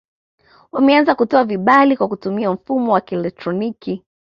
Wameanza kutoa vibali kwa kutumia mfumo wa kielektroniki